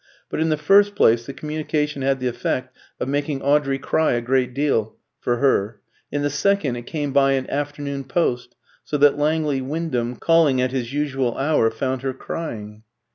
But, in the first place, the communication had the effect of making Audrey cry a great deal, for her; in the second, it came by an afternoon post, so that Langley Wyndham, calling at his usual hour, found her crying.